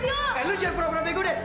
eh lu jangan pura pura pegang gue deh